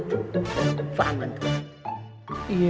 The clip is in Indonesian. cuma anak yang fantes melantangkan dalil tersebut